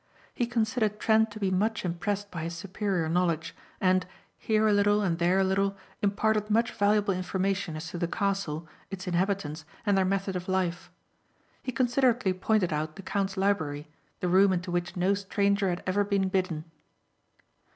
He considered Trent to be much impressed by his superior knowledge and, here a little and there a little, imparted much valuable information as to the castle, its inhabitants and their method of life. He considerately pointed out the count's library, the room into which no strangers had ever been bidden.